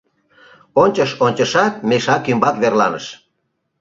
Ончыш-ончышат, мешак ӱмбак верланыш.